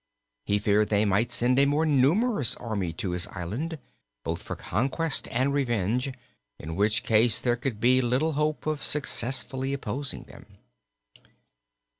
He feared they might send a more numerous army to his island, both for conquest and revenge, in which case there could be little hope of successfully opposing them.